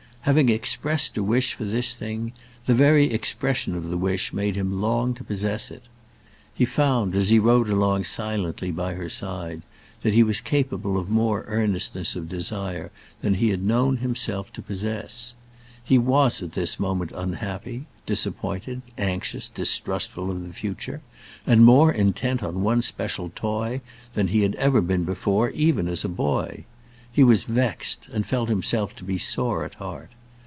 Having expressed a wish for this thing, the very expression of the wish made him long to possess it. He found, as he rode along silently by her side, that he was capable of more earnestness of desire than he had known himself to possess. He was at this moment unhappy, disappointed, anxious, distrustful of the future, and more intent on one special toy than he had ever been before, even as a boy. He was vexed, and felt himself to be sore at heart.